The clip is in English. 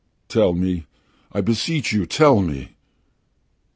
"Tell me! I beseech you, tell me!"